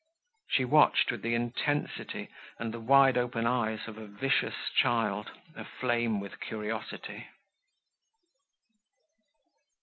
She watched with the intensity and the wide open eyes of a vicious child aflame with curiosity.